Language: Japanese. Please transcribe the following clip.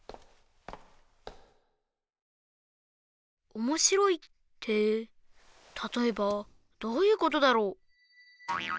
「おもしろい」ってたとえばどういうことだろう？